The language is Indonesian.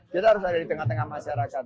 kita harus ada di tengah tengah masyarakat